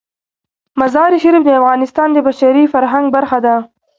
مزارشریف د افغانستان د بشري فرهنګ برخه ده.